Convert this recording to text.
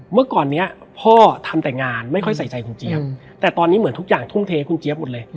เมื่อก่อนนี้พ่อทำแต่งานไม่ค่อยใส่ใจคุณเจี๊ยบแต่ตอนนี้เหมือนทุกอย่างทุ่มเทคุณเจี๊ยบหมดเลย